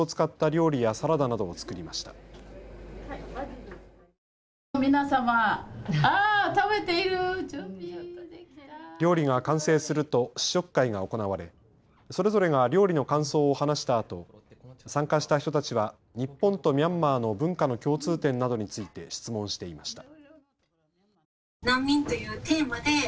料理が完成すると試食会が行われそれぞれが料理の感想を話したあと参加した人たちは日本とミャンマーの文化の共通点などについて質問していました。